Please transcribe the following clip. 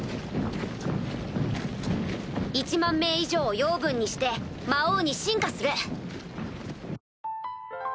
１万名以上をヨウブンにして魔王に進化する。